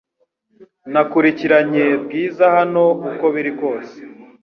Nakurikiranye Bwiza hano uko biri kose